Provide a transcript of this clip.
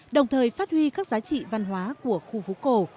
đồng thời phát huy các giá trị văn hóa của khu phố cổ